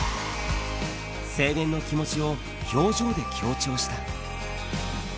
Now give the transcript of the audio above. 青年の気持ちを表情で強調した。